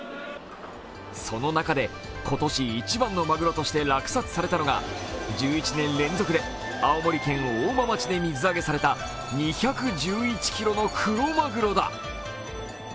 その中で今年一番のいいマグロとして落札されたのが１１年連続で青森県大間町で水揚げされた２１１ｋｇのクロマグロだ。